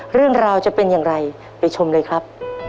เรื่องราวจะเป็นอย่างไรไปชมเลยครับ